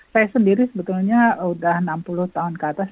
saya sendiri sebetulnya sudah enam puluh tahun ke atas